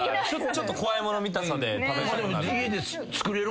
ちょっと怖いもの見たさで食べたくなる。